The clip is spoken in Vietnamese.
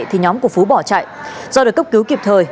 thì nhóm của phú bỏ chạy do được cấp cứu kịp thời